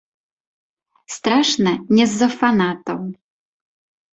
Страшна не з-за фанатаў.